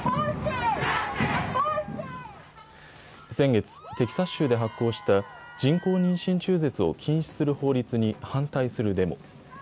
先月、テキサス州で発効した人工妊娠中絶を禁止する法律に反対するデモ。